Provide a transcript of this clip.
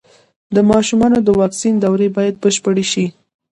د ماشومانو د واکسین دورې بايد بشپړې شي.